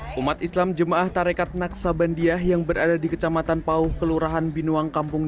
hai umat islam jemaah tarekat naksabandiah yang berada di kecamatan pauh kelurahan binoang kampung